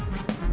bisa bang ojak